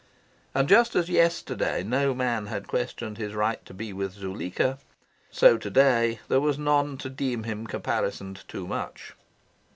And, just as yesterday no man had questioned his right to be with Zuleika, so to day there was none to deem him caparisoned too much.